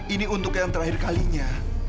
ini untuk yang terakhir kalinya